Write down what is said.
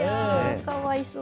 かわいそう。